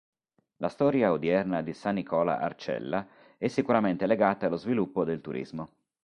La storia odierna di San Nicola Arcella è sicuramente legata allo sviluppo del turismo.